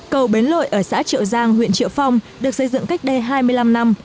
cầu bến lội ở xã triệu giang huyện triệu phong được xây dựng cách đây hai mươi năm năm